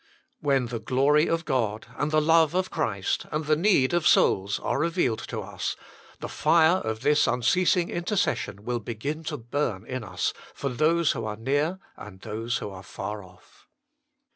When the glory of God, and the love of Christ, and the need of souls are revealed to us, the fire of this unceasing intercession will begin to burn in us for those who are near and those who are far off.